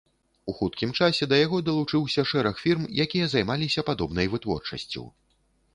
У хуткім часе да яго далучыўся шэраг фірм, якія займаліся падобнай вытворчасцю.